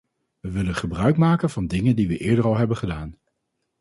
We willen gebruik maken van dingen die we eerder al hebben gedaan.